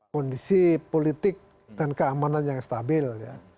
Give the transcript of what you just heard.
kondisi politik dan keamanan yang stabil ya